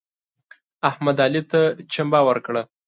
احمد علي ته چمبه ورکړه.